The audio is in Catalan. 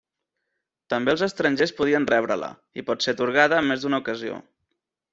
També els estrangers podien rebre-la, i pot ser atorgada en més d'una ocasió.